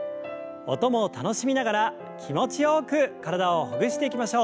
音も楽しみながら気持ちよく体をほぐしていきましょう。